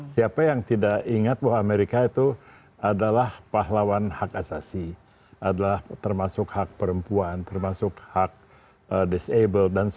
siapa yang tidak ingat bahwa amerika itu adalah pahlawan hak asasi termasuk hak perempuan termasuk hak disable